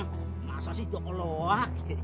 masa sih itu kelewak